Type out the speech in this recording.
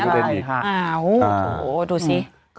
ก็เลยไปตีประเด็นอีกค่ะ